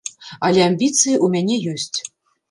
Але амбіцыі ў мяне ёсць.